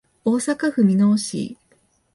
大阪府箕面市